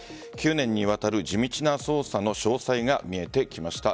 ９年にわたる地道な捜査の詳細が見えてきました。